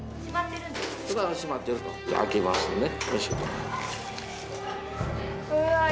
開けますね。